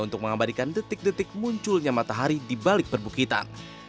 untuk mengabadikan detik detik munculnya matahari di balik perbukitan